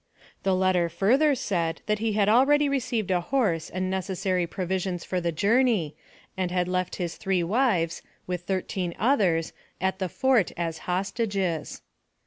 The letter further said that he had already received a horse and necessary provisions for the journey, and had left his three wives, with thirteen others, at the fort, as hostages.